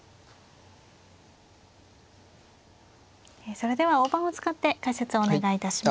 それでは大盤を使って解説をお願いいたします。